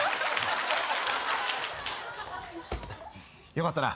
よかったな。